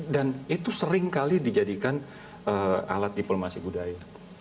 dan itu sering kali dijadikan alat diplomasi budaya